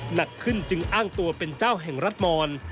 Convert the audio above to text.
หนักขึ้นจึงอ้างตัวเป็นเจ้าแห่งรัฐมอน